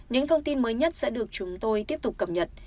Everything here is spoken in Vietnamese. những thông tin mới nhất sẽ được chúng tôi tiếp tục cập nhật